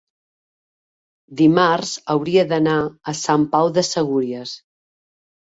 dimarts hauria d'anar a Sant Pau de Segúries.